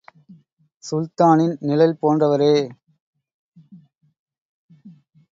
சுல்தானின் நிழல் போன்றவரே!